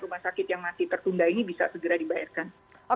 rumah sakit yang masih tertunda ini bisa segera dibayarkan